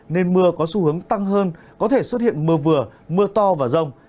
nên mưa có xu hướng tăng hơn có thể xuất hiện mưa vừa mưa to và rông